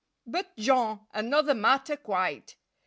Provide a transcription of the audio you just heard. But Jean—another matter, quite!